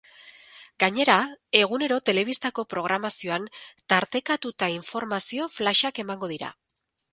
Gainera, egunero telebistako programazioan tartekatutainformazio flash-ak emango dira.